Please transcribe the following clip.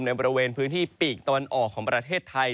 บริเวณพื้นที่ปีกตะวันออกของประเทศไทย